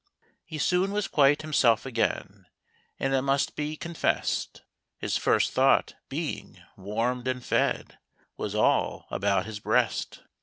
He soon was quite him. self again, And it must be con fessed His first thought, being warmed and fed, Was all about his breast.